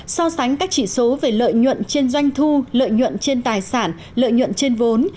so sánh các chỉ số về lợi nhuận trên doanh thu lợi nhuận trên tài sản lợi nhuận trên vốn